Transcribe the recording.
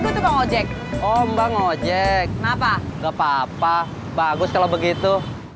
gue tukang ojek ombang ojek apa gapapa bagus kalau begitu